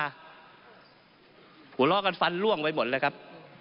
หัวลอกันฟันร่วงไว้หมดเลยครับ